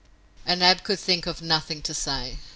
And Ab could think of nothing to say.